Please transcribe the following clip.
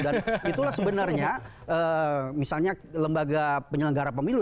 dan itulah sebenarnya misalnya lembaga penyelenggara pemilu